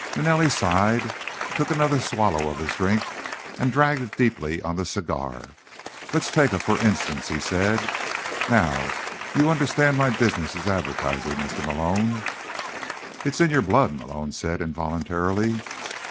Manelli sighed, took another swallow of his drink and dragged deeply on the cigar. "Let's take a for instance," he said. "Now, you understand my business is advertising, Mr. Malone?" "It's in your blood," Malone said, involuntarily.